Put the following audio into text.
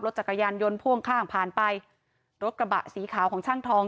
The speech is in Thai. จักรยานยนต์พ่วงข้างผ่านไปรถกระบะสีขาวของช่างทอง